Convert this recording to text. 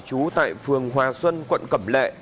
chú tại phường hòa xuân quận cẩm lệ